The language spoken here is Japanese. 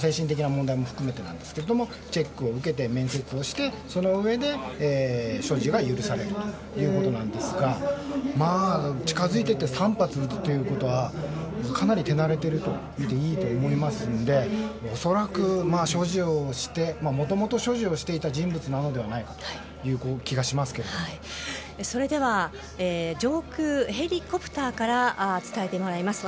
精神的な問題も含めてなんですけれどもチェックを受けて面接をしてそのうえで所持が許されるということなんですが近づいていって３発撃つということはかなり手慣れていると言っていいと思いますので恐らくもともと所持をしていた人物なのではないかという上空、ヘリコプターから伝えてもらいます。